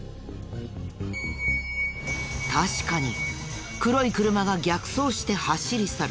確かに黒い車が逆走して走り去る。